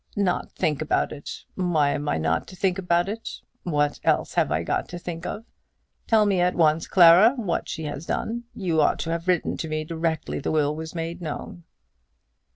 "Not think about it? Why am I not to think about it? What else have I got to think of? Tell me at once, Clara, what she has done. You ought to have written to me directly the will was made known."